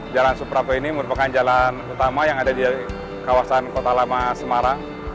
jalan suprapto ini merupakan jalan utama yang ada di kawasan kota lama semarang